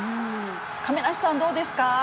亀梨さん、どうですか。